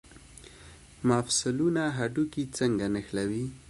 مفصلونه هډوکي څنګه نښلوي؟